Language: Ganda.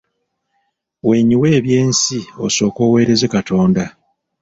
Weenyiwe eby’ensi osooke oweereze Katonda.